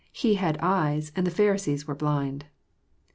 He had eyes, and the Pharisees were blind.